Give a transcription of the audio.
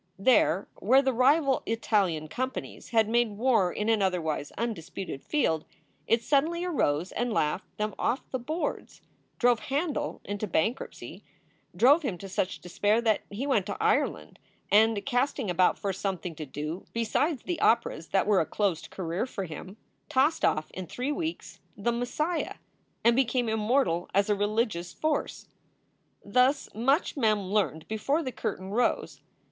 There where the rival Italian com panies had made war in an otherwise undisputed field, it suddenly arose and laughed them off the boards drove Handel into bankruptcy, drove him to such despair that he went to Ireland and, casting about for something to do beside the operas that were a closed career for him, tossed off in three weeks "The Messiah "(!) and became immortal as a religious force. Thus much Mem learned before the curtain rose.